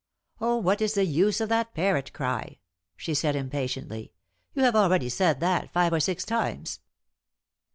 "Oh, what is the use of that parrot cry?" she said, impatiently. "You have already said that five or six times."